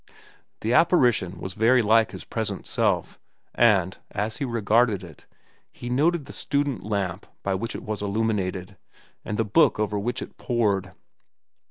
The apparition was very like his present self, and, as he regarded it, he noted the student lamp by which it was illuminated, and the book over which it pored.